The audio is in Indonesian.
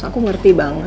aku ngerti banget